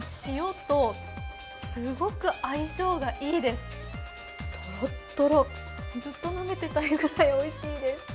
とろっとろ、ずっとなめてたいくらいおいしいです。